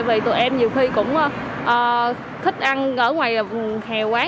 tại vì tụi em nhiều khi cũng thích ăn ở ngoài hèo quán